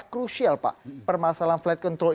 krusial pak permasalahan flight control